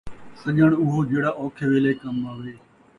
سڄݨ اوہو جیڑھا اوکھے ویلھے کم آوے